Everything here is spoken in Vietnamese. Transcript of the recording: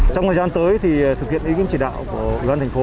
trong thời gian tới thì thực hiện ý kiến chỉ đạo của ủy ban thành phố